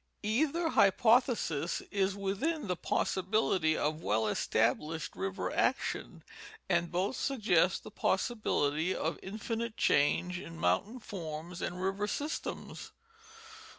Either hypothesis is within the possibility of well established river action, and both suggest the possibility of infinite change in mountain forms and river systems.